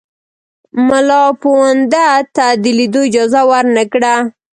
مُلاپوونده ته د لیدلو اجازه ورنه کړه.